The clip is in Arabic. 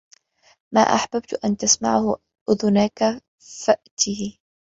مَا أَحْبَبْت أَنْ تَسْمَعَهُ أُذُنَاك فَأْتِهِ